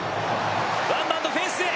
ワンバウンド、フェンスへ。